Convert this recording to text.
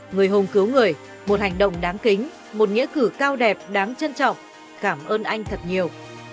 người hùng cứu người một hành động đáng kính một nghĩa cử cao đẹp đáng trân trọng cảm ơn anh thật nhiều